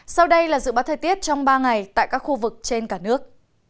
sau đây là dự báo thời tiết trong ba ngày tại các khu vực trên cả nước